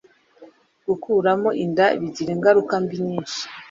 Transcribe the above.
Gukuramo inda bigira ingaruka mbi nyinshi